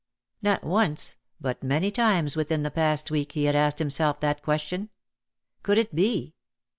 Not once, but many times within the past week he had asked himself that question. Could it be